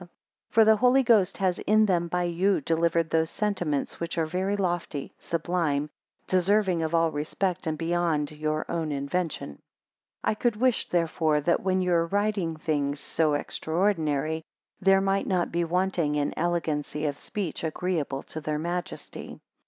2 For the Holy Ghost has in them by you delivered those sentiments which are very lofty, sublime, deserving of all respect, and beyond your own invention. 3 I could wish therefore, that when you are writing things so extraordinary, there might not be wanting an elegancy of speech agreeable to their majesty.